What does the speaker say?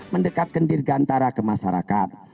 mendekatkan dirgantara ke masyarakat